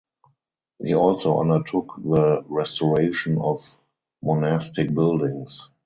He also undertook the restoration of monastic buildings.